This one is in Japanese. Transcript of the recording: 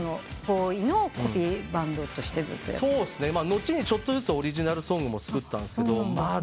後にちょっとずつオリジナルソングも作ったんすけど。